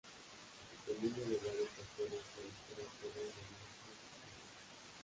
Dependiendo de varios factores, la descarga puede irradiar luz visible.